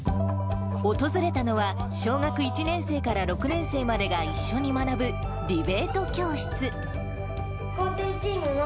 訪れたのは、小学１年生から６年生までが一緒に学ぶ、ディベート教室。